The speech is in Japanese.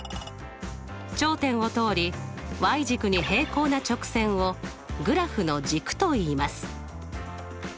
頂点を通り軸に平行な直線をグラフの軸といいます。